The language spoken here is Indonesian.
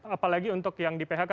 apalagi untuk yang di phk